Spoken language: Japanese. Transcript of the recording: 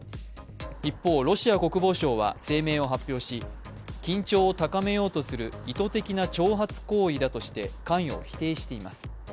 一方、ロシア国防省は声明を発表し緊張を高めようとする意図的な挑発行為だとして関与を否定しています。